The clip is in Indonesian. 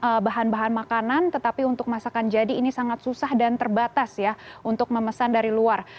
memesan bahan bahan makanan tetapi untuk masakan jadi ini sangat susah dan terbatas ya untuk memesan dari luar